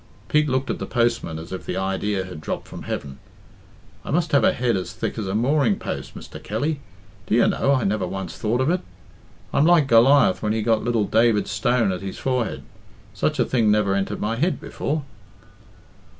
Pete looked at the postman as if the idea had dropped from heaven. "I must have a head as thick as a mooring post, Mr. Kelly. Do you know, I never once thought of it. I'm like Goliath when he got little David's stone at his forehead such a thing never entered my head before."